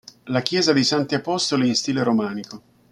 La chiesa dei Santi Apostoli è in stile romanico.